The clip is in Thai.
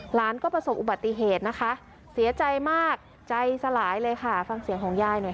หลานก็ประสบอุบัติเหตุนะคะเสียใจมากใจสลายเลยค่ะฟังเสียงของยายหน่อยค่ะ